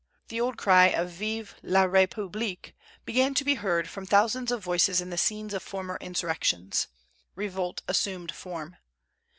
The old cry of Vive la Republique began to be heard from thousands of voices in the scenes of former insurrections. Revolt assumed form.